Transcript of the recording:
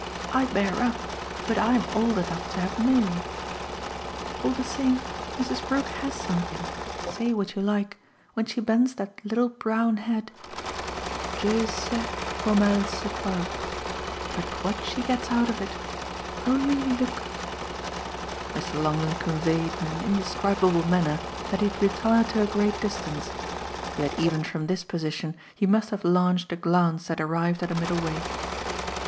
I bear up, but I'm old enough to have known. All the same Mrs. Brook has something say what you like when she bends that little brown head. Dieu sait comme elle se coiffe, but what she gets out of it! Only look." Mr. Longdon conveyed in an indescribable manner that he had retired to a great distance; yet even from this position he must have launched a glance that arrived at a middle way.